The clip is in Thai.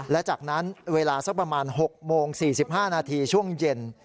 และจากนั้นเวลาสักประมาณ๖โมง๔๕นาทีช่วงเย็น